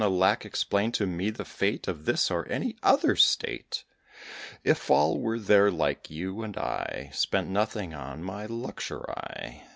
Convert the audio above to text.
Alack! explain to me the fate Of this or any other State, If all were there like you, and I Spent nothing on my luxury?